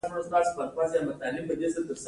هغوی یوځای د سپوږمیز لرګی له لارې سفر پیل کړ.